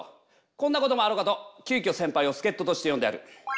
こんなこともあろうかときゅうきょ先輩を助っととして呼んである。